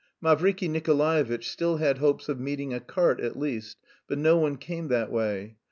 Mavriky Nikolaevitch still had hopes of meeting a cart at least, but no one came that way.